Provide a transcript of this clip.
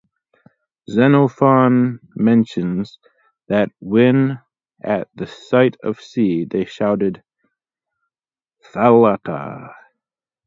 Xenophon mentions that when at the sight of sea they shouted Thalatta!